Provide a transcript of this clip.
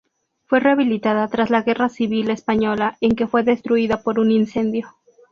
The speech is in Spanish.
Fue rehabilitada tras la Guerra Civil Española, en que fue destruida por un incendio.